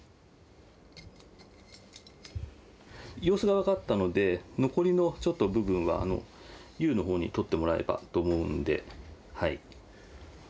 様子が分かったので残りのちょっと部分は悠の方に取ってもらえばと思うんではい。